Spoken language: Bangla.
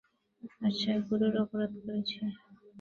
আচ্ছা, গুরুতর অপরাধ করেছি।